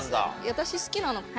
私好きなの。